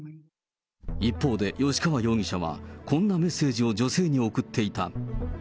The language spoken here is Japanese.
一方で吉川容疑者は、こんなメッセージを女性に送っていた。